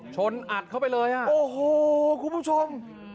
อัดเข้าไปเลยอ่ะโอ้โหคุณผู้ชม